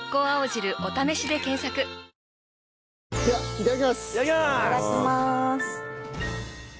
いただきます！